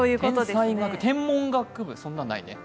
天文学部、そんなのないね。